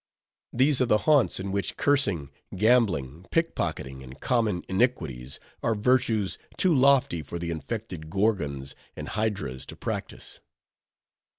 These are the haunts in which cursing, gambling, pickpocketing, and common iniquities, are virtues too lofty for the infected gorgons and hydras to practice.